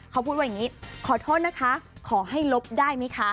เขาพูดว่าอย่างนี้ขอโทษนะคะขอให้ลบได้ไหมคะ